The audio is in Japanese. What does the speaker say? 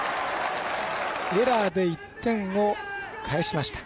エラーで１点を返しました。